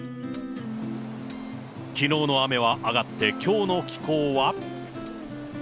きのうの雨は上がって、きょうの気候は。